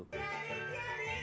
jaring jaring lagunya